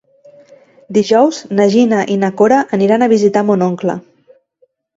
Dijous na Gina i na Cora aniran a visitar mon oncle.